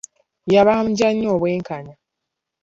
Yabanja nnyo obwenkanya.